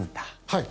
はい。